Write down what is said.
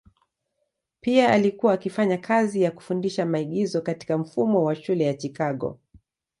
Pia alikuwa akifanya kazi ya kufundisha maigizo katika mfumo wa shule ya Chicago.